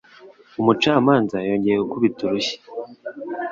Umucamanza yongeye gukubita urushyi.